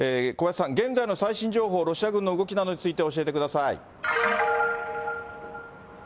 小林さん、現在の最新情報、ロシア軍の動きなどについて教えてください。